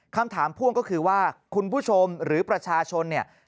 คำถามพ่วงก็คือว่าคุณผู้ชมหรือประชาชน